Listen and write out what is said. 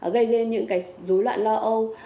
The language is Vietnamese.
gây ra những dối loạn lo âu